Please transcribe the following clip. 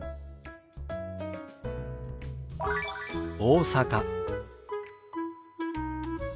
「大阪」。